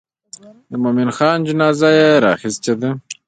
د مومن خان جنازه یې راخیستې ده.